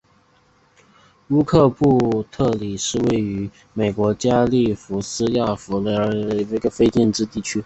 克拉布特里是位于美国加利福尼亚州弗雷斯诺县的一个非建制地区。